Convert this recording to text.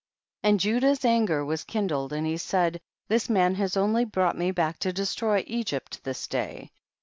28. And Judah's anger was kin dled, and he said, this man has only brought me back to destroy Egypt this day.